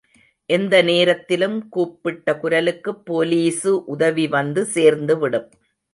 எந்த நேரத்திலும் கூப்பிட்ட குரலுக்குப் போலீசு உதவி வந்து சேர்ந்துவிடும்.